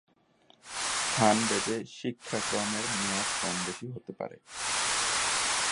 স্থানভেদে শিক্ষাক্রমের মেয়াদ কম-বেশি হতে পারে।